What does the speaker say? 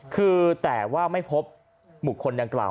คือแต่ว่าไม่พบบุคคลดังกล่าว